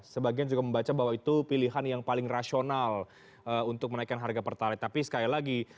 sebagian juga membaca bahwa itu pilihan yang paling rasional untuk menaikkan harga pertalite tapi sekali lagi